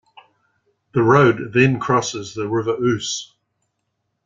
The road then crosses the River Ouse.